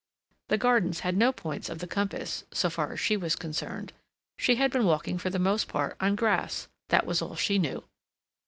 The gardens had no points of the compass, so far as she was concerned. She had been walking for the most part on grass—that was all she knew.